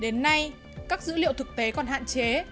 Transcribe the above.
đến nay các dữ liệu thực tế còn hạn chế